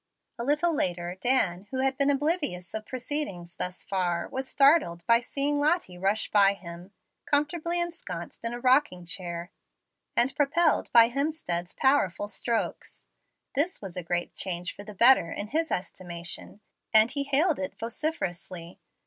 A little later, Dan, who had been oblivious of proceedings thus far, was startled by seeing Lottie rush by him, comfortably ensconced in a rocking chair and propelled by Hemstead's powerful strokes. This was a great change for the better, in his estimation, and he hailed it vociferously.